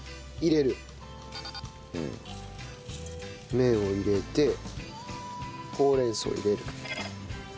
麺を入れてほうれん草を入れる。